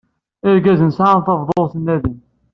Irgazen sɛan taḍeffut n Adem.